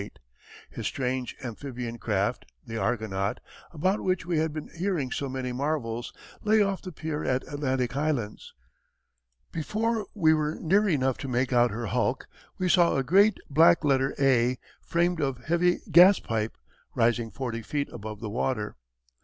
His strange amphibian craft, the Argonaut, about which we had been hearing so many marvels, lay off the pier at Atlantic Highlands. Before we were near enough to make out her hulk, we saw a great black letter A, framed of heavy gas pipe, rising forty feet above the water.